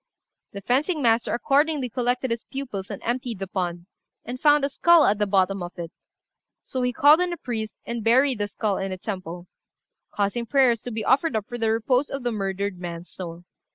The fencing master accordingly collected his pupils and emptied the pond, and found a skull at the bottom of it; so he called in a priest, and buried the skull in a temple, causing prayers to be offered up for the repose of the murdered man's soul.